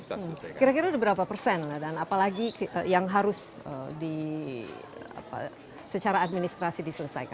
selesai kira kira berapa persen dan apalagi kita yang harus di secara administrasi diselesaikan